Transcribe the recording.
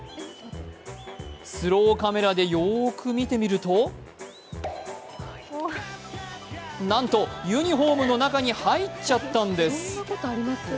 スローカメラでよく見てみるとなんと、ユニフォームの中に入っちゃったんです。